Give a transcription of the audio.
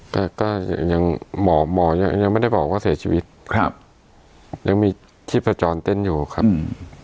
ก็ก็ยังหมอหมอยังยังไม่ได้บอกว่าเสียชีวิตครับยังมีชีพจรเต้นอยู่ครับอืม